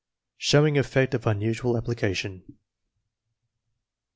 Showing effect of unusual application.